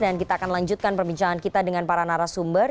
dan kita akan lanjutkan perbincangan kita dengan para narasumber